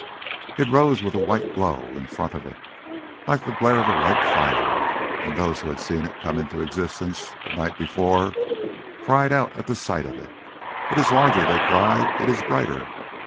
It rose with a white glow in front of it, like the glare of a white fire, and those who had seen it come into existence the night before cried out at the sight of it. "It is larger," they cried. "It is brighter!"